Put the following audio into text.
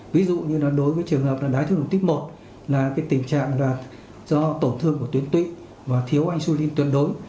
ví dụ như là đối với trường hợp đai tháo đường tích một là cái tình trạng là do tổn thương của tuyến tụy và thiếu insulin tuyến đối